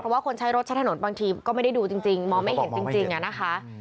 เพราะว่าคนใช้รถใช้ถนนบางทีก็ไม่ได้ดูจริงมองไม่เห็นจริงอะนะคะ